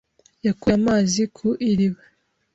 Yakuye amazi ku iriba.